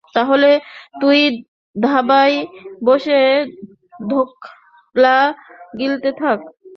তাহলে তুই ধাবায় বসে ধোকলা গিলতে থাক।